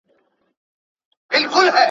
له خپلو منبرونو به مو ږغ د خپل بلال وي .